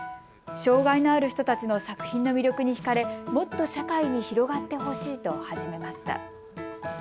障害のある人たちの作品の魅力に引かれ、もっと社会に広がってほしいと始めました。